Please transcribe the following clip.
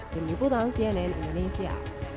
tim liputan cnn indonesia